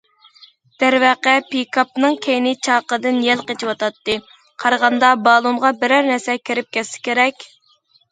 دەرۋەقە، پىكاپنىڭ كەينى چاقىدىن يەل قېچىۋاتاتتى، قارىغاندا بالونغا بىرەر نەرسە كىرىپ كەتسە كېرەك.